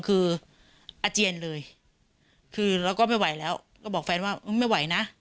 คืออาเจียนเลยคือเราก็ไม่ไหวแล้วก็บอกแฟนว่าไม่ไหวนะ